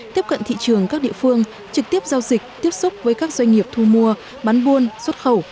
tiếp cận thị trường các địa phương trực tiếp giao dịch tiếp xúc với các doanh nghiệp thu mua bán buôn xuất khẩu